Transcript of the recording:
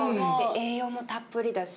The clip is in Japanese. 栄養もたっぷりだし。